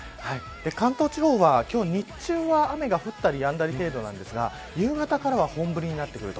関東地方は今日は、日中は雨が降ったりやんだり程度ですが夕方からは本降りになってくる。